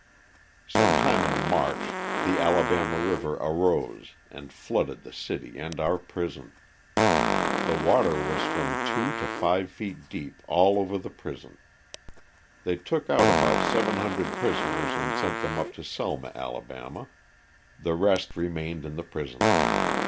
Some time in March the Alabama river arose and flooded the city and our prison. The water was from two to five feet deep all over the prison. They took out about 700 prisoners and sent them up to Selma, Ala. The rest remained in the prison.